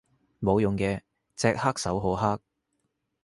冇用嘅，隻黑手好黑